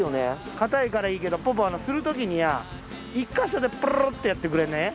硬いからいいけどポポするときには１か所でポロロってやってくれね？